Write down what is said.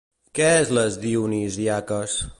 Què és Les Dionisíaques?